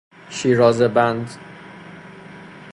شیرازه بند